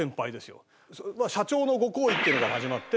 社長のご厚意っていうので始まって。